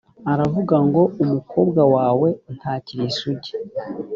aravuga ngo ’umukobwa wawe ntakiri isugi!